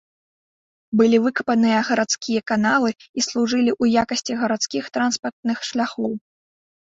Былі выкапаныя гарадскія каналы і служылі ў якасці гарадскіх транспартных шляхоў.